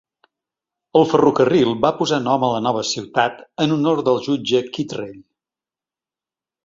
El ferrocarril va posar nom a la nova ciutat en honor al jutge Kittrell.